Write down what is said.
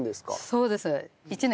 そうです。